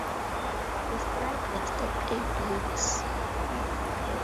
The strike lasted eight weeks.